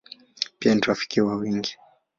Pia ni rafiki wa wengi.